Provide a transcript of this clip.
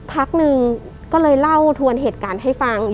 พักหนึ่งก็เลยเล่าทวนเหตุการณ์ให้ฟัง